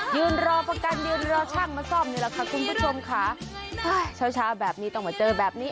ยืนรอประกันยืนรอช่างมาซ่อมนี่แหละค่ะคุณผู้ชมค่ะเช้าเช้าแบบนี้ต้องมาเจอแบบนี้